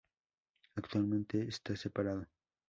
Actualmente está separado.